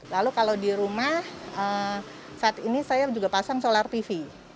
lalu kalau di rumah saat ini saya juga pasang solar tv